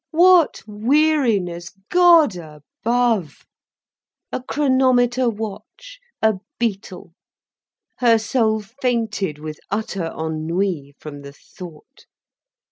What weariness, God above! A chronometer watch—a beetle—her soul fainted with utter ennui, from the thought.